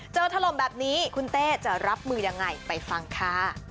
ถล่มแบบนี้คุณเต้จะรับมือยังไงไปฟังค่ะ